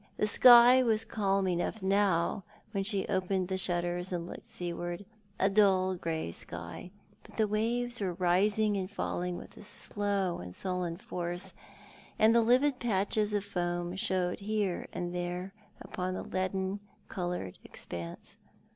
The sky was calm enough now, when she opened the shutters and looked seaward; a dull grey sky; but the waves were rising and falling with a slow and sullen force, and the livid patches of foam showed here and there upon the leaden coloured expanse.